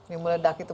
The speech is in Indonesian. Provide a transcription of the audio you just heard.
yang meledak itu